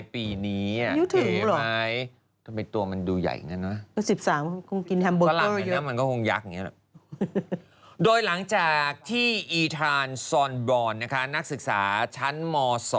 พี่อีทรานซอนบรอนนะคะนักศึกษาชั้นม๒